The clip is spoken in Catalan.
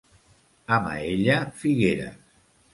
A Maella, figueres.